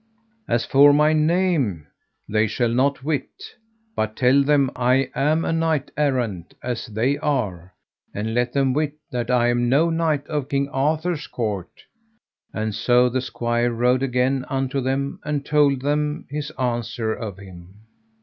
As for my name they shall not wit, but tell them I am a knight errant as they are, and let them wit that I am no knight of King Arthur's court; and so the squire rode again unto them and told them his answer of him.